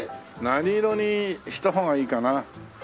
何色にした方がいいかな。